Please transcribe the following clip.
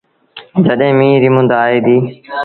جڏهيݩ ميݩهن ريٚ مند آئي ديٚ۔